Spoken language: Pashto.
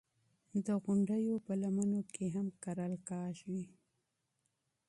د غونډیو په لمنو کې هم کرل کېږي.